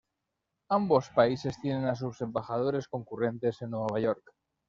Ambos países tienen a sus embajadores concurrentes en Nueva York.